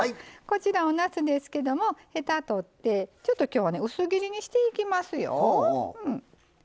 おなすですけど、へたとってちょっと今日は薄切りにしていきますよ。